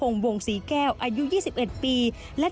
แล้วลงไปต่อยก่อนใช่ไหม